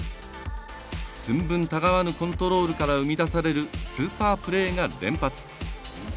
寸分たがわぬコントロールから生み出されるスーパープレーが連発。